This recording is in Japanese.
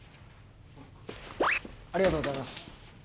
ありがとうございます。